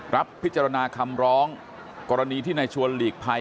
รับพิจารณาคำร้องกรณีที่ในชวนหลีกภัย